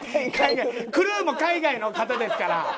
クルーも海外の方ですから。